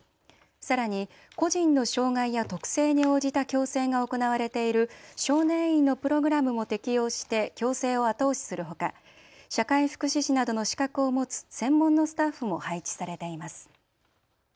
さらに個人の障害や特性に応じた矯正が行われている少年院のプログラムも適用して矯正を後押しするほか社会福祉士などの資格を持つ専門のスタッフも配置されています。